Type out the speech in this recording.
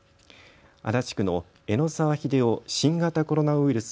足立区の絵野沢秀雄新型コロナウイルス